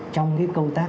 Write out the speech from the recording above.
trong cái câu tác